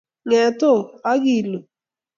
Ng’eet o, akiilu